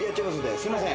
すいません。